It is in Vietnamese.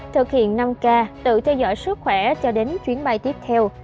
thực hiện năm k tự theo dõi sức khỏe cho đến chuyến bay tiếp theo